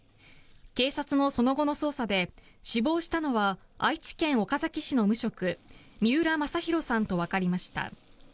警察のその後の捜査で死亡したのは愛知県岡崎市の無職三浦正裕さんとわかりました。